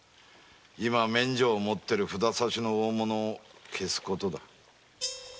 今免状を持っている札差の大物を消す事だ。